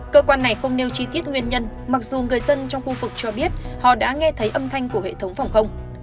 cơ quan này không nêu chi tiết nguyên nhân mặc dù người dân trong khu vực cho biết họ đã nghe thấy âm thanh của hệ thống phòng không